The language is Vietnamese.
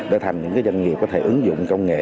để thành những doanh nghiệp có thể ứng dụng công nghệ